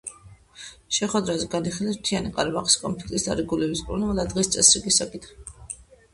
შეხვედრაზე განიხილეს მთიანი ყარაბაღის კონფლიქტის დარეგულირების პრობლემა და დღის წესრიგის საკითხები.